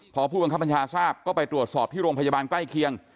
พอผู้บังคับบัญชาทราบก็ไปตรวจสอบที่โรงพยาบาลใกล้เคียง